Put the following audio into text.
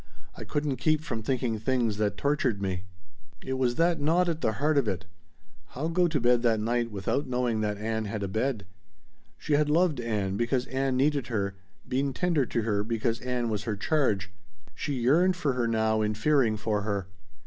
I couldn't keep from thinking things that tortured me." It was that gnawed at the heart of it.... How go to bed that night without knowing that Ann had a bed? She had loved Ann because Ann needed her, been tender to her because Ann was her charge. She yearned for her now in fearing for her.